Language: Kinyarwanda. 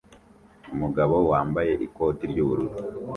Umugabo wambaye ikoti ry'ubururu